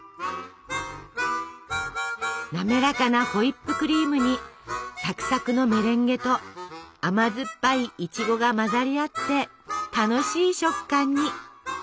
なめらかなホイップクリームにサクサクのメレンゲと甘酸っぱいいちごが混ざり合って楽しい食感に！